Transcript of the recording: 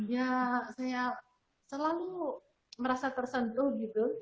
ya saya selalu merasa tersentuh gitu